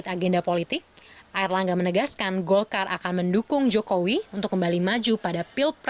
dengan demikian erlangga resmi menggantikan posisi erlangga hartarto sebagai ketua umum golkar